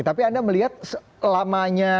tapi anda melihat selamanya